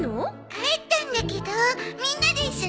帰ったんだけどみんなで一緒に遊ぼうって。